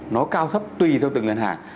nó cao thấp tùy theo từng ngân hàng